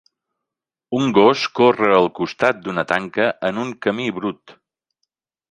Un gos corre al costat d'una tanca en un camí brut.